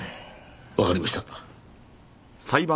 わかりました。